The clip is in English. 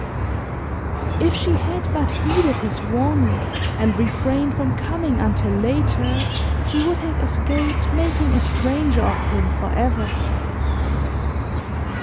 If she had but heeded his warning, and refrained from coming until later, she would have escaped making a stranger of him forever.